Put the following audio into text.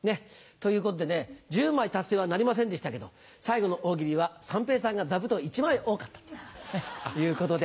ということで１０枚達成はなりませんでしたけど最後の「大喜利」は三平さんが座布団一番多かったということで。